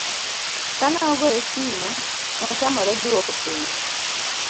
kane ogoye simo, notamore dwoko penjo